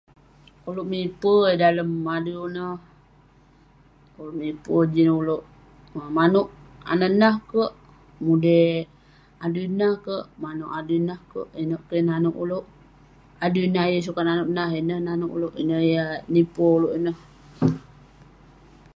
Uleuk mipe eh dalem adui neh, uleuk mipe jin uleuk maneuk anah nah kerk, mude adui nah kerk, maneuk adui nah kerk, ineuk keh naneuk uleuk , adui nah eh yeng sukat naneuk nah, ineh naneuk uleuk. Ineh ya nipe uleuk ineh.